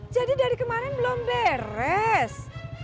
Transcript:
jadi dari kemarin belum beres